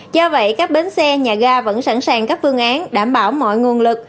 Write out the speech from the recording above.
do vậy các bến xe nhà ga vẫn sẵn sàng các phương án đảm bảo mọi nguồn lực